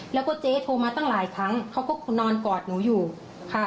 แล้วก็เจ๊โทรมาตั้งหลายครั้งเขาก็นอนกอดหนูอยู่ค่ะ